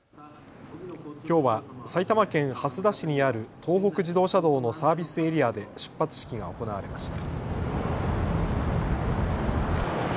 きょうは埼玉県蓮田市にある東北自動車道のサービスエリアで出発式が行われました。